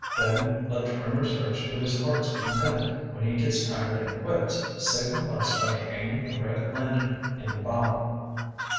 Then, let Trimmer search to his heart's content. When he gets tired and quits, signal us by hanging a red lantern in the bow."